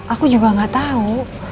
aku juga gak tau